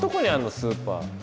スーパー。